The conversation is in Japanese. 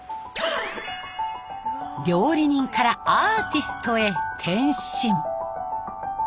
料理人からアーティストへ転身。